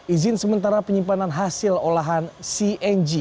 izin sementara penyimpanan hasil olahan cng